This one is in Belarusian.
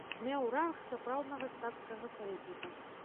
Меў ранг сапраўднага стацкага саветніка.